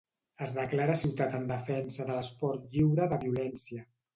Es declara Ciutat en Defensa de l'Esport Lliure de Violència.